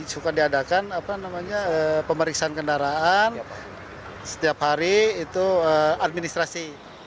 suka diadakan pemeriksaan kendaraan setiap hari itu administrasi